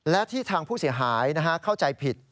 และที่ทางผู้เสียหายเข้าใจผิด